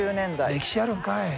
歴史あるんかい。